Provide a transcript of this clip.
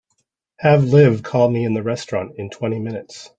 Have Liv call me in the restaurant in twenty minutes.